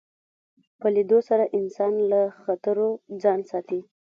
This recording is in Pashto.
په لیدلو سره انسان له خطرو ځان ساتي